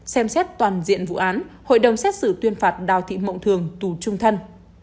xem xét toàn diện vụ án hội đồng xét xử tuyên phạt đào thị mộng thường tù trung thân